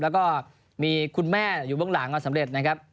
แล้วก็มีคุณแม่อยู่เบื้องหลังสำเร็จนะครับ